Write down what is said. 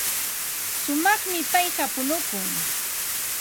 Shumaqmi payqa punukun.